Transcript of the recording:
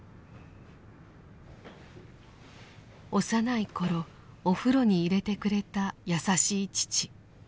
幼い頃お風呂に入れてくれた優しい父。